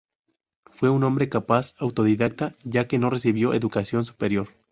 Fue un hombre capaz, autodidacta, ya que no recibió educación superior.